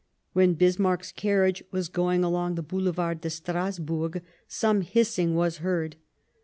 When Bis marck's carriage was going along the Boulevard dc Strasbourg, some hissing was heard.